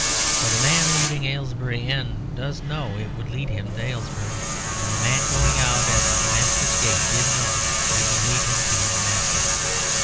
But the man leaving Aylesbury End does know it would lead him to Aylesbury; and the man going out at the Damascus Gate did know it would lead him to Damascus.